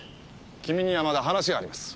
君にはまだ話があります。